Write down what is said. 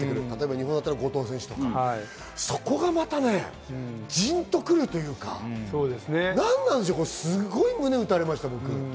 日本だったら後藤選手とか、そこがまたジンとくるというか、なんなんでしょう、胸をを打たれました。